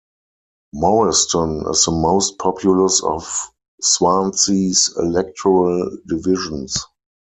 Morriston is the most populous of Swansea's electoral divisions.